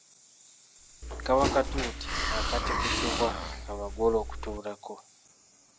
Kaba katuuti akategebwa abagole okutuulako.